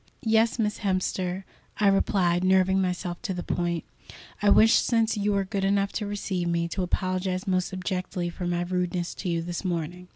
"Yes, Miss Hemster," I replied, nerving myself to the point. "I wish, since you are good enough to receive me, to apologize most abjectly for my rudeness to you this morning."